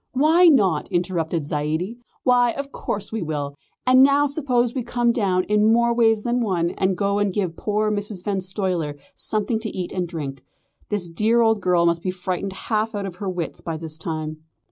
"Why not?" interrupted Zaidie, "why, of course we will. And now suppose we come down in more ways than one and go and give poor Mrs. Van Stuyler something to eat and drink. The dear old girl must be frightened half out of her wits by this time."